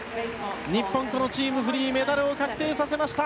日本、このチームフリーメダルを確定させました。